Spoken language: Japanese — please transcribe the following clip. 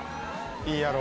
いいやろ。